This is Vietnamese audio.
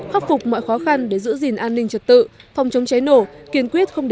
khắc phục mọi khó khăn để giữ gìn an ninh trật tự phòng chống cháy nổ